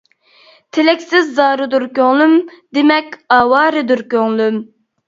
تىلەكسىز زارىدۇر كۆڭلۈم، دېمەك ئاۋارىدۇر كۆڭلۈم.